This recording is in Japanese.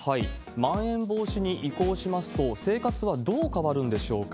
まん延防止に移行しますと、生活はどう変わるんでしょうか。